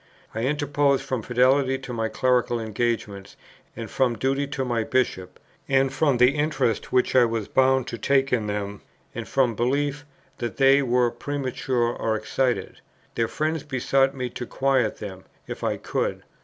I interposed from fidelity to my clerical engagements, and from duty to my Bishop; and from the interest which I was bound to take in them, and from belief that they were premature or excited. Their friends besought me to quiet them, if I could.